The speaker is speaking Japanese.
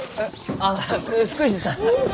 あ福治さん。